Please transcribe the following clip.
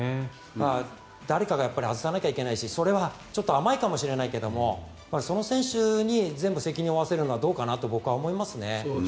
誰かが外さなきゃいけないしそれは甘いかもしれないけどもその選手に全部責任を負わせるのはどうかなと僕は思いますね。